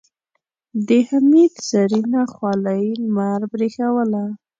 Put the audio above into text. د حميد زرينه خولۍ لمر برېښوله.